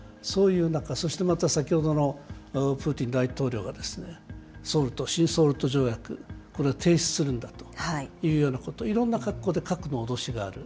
そしてまた先ほどのプーチン大統領が、条約、これを提出するんだというようなこと、いろんな角度で核の脅しがある。